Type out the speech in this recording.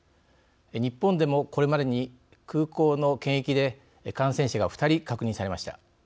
日本でもこれまでに空港の検疫で感染者が２人確認されました。